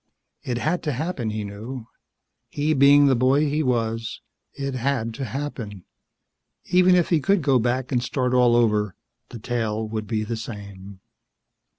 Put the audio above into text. It had to happen, he knew. He being the boy he was, it had to happen. Even if he could go back and start all over, the tale would be the same.